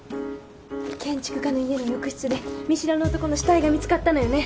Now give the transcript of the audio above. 建築家の家の浴室で見知らぬ男の死体が見つかったのよね。